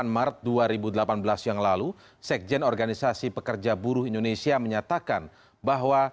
sembilan maret dua ribu delapan belas yang lalu sekjen organisasi pekerja buruh indonesia menyatakan bahwa